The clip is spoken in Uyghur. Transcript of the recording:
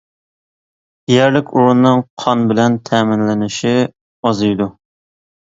يەرلىك ئورۇننىڭ قان بىلەن تەمىنلىنىشى ئازىيىدۇ.